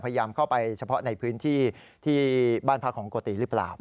พยายามเข้าไปเฉพาะในพื้นที่ที่บ้านพักของโกติหรือเปล่า